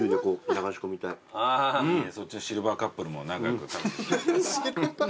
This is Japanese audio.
そっちのシルバーカップルも仲良く。